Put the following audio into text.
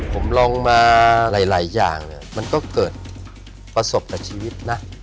ผมลองมาหลายอย่างมันก็เกิดประสบความชีวิตนะ